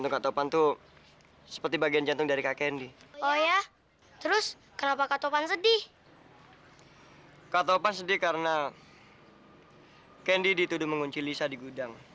kandi dituduh mengunci lisa di gudang